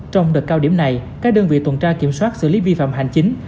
trong đợt cao điểm này các đơn vị tuần tra kiểm soát xử lý vi phạm hành chính